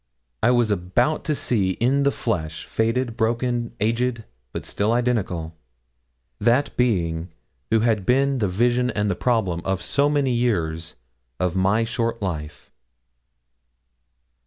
I was about to see in the flesh faded, broken, aged, but still identical that being who had been the vision and the problem of so many years of my short life.